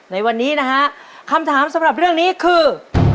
ในวันนี้นะฮะคำถามสำหรับเรื่องนี้คือ